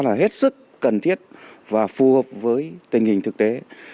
là hết sức cần thiết và phù hợp với tình hình thực tế